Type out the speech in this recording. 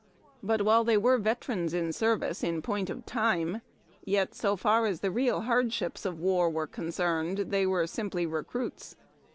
But while they were veterans in service in point of time, yet, so far as the real hardships of war were concerned, they were simply recruits.